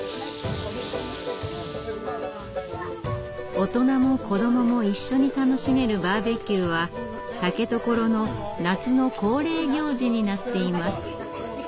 大人も子どもも一緒に楽しめるバーベキューは竹所の夏の恒例行事になっています。